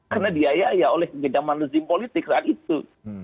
karena diayaya oleh kebijakan lezim politik karena itu